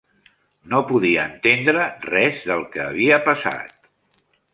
No podia entendre res del que havia passat.